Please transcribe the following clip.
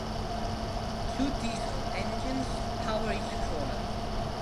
Two diesel engines power each crawler.